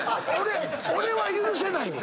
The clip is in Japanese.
俺は許せないねん。